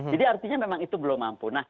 jadi artinya memang itu belum mampu